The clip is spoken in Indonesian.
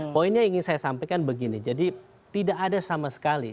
poinnya ingin saya sampaikan begini jadi tidak ada sama sekali